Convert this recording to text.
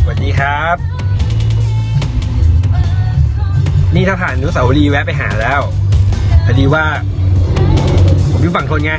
สวัสดีครับนี่ถ้าผ่านอนุสาวรีแวะไปหาแล้วพอดีว่าผมอยู่ฝั่งทนไง